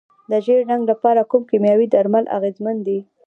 د ژیړ زنګ لپاره کوم کیمیاوي درمل اغیزمن دي؟